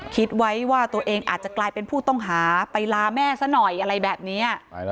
คิดไว้ว่าตัวเองอาจจะกลายเป็นผู้ต้องหาไปลาแม่ซะหน่อยอะไรแบบนี้